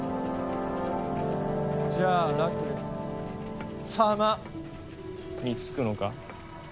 じゃあラクレスサマにつくのか？